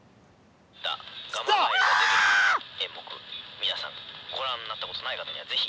「みなさんごらんになったことない方にはぜひ」。